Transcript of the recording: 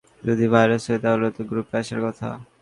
যদি ভাইরাল হয়ে তাহলে তো গ্রুপে আসার কথা।